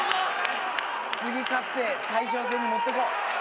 次勝って大将戦に持ってこう。